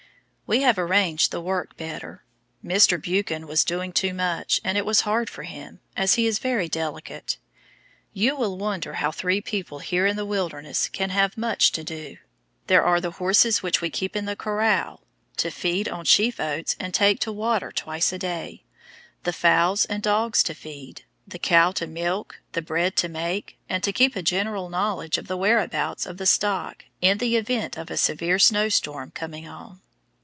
We have arranged the work better. Mr. Buchan was doing too much, and it was hard for him, as he is very delicate. You will wonder how three people here in the wilderness can have much to do. There are the horses which we keep in the corral to feed on sheaf oats and take to water twice a day, the fowls and dogs to feed, the cow to milk, the bread to make, and to keep a general knowledge of the whereabouts of the stock in the event of a severe snow storm coming on.